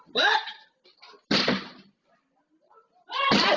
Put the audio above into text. เบ่ะ